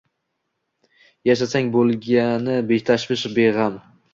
Yashasang bo’lgani betashvish, beg’am.